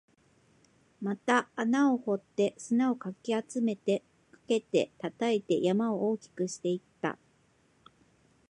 また穴を掘って、砂を集めて、かけて、叩いて、山を大きくしていった